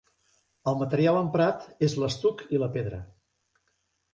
El material emprat és l'estuc i la pedra.